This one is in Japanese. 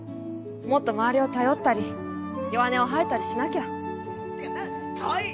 もっと周りを頼ったり弱音を吐いたりしなきゃ・かわいい！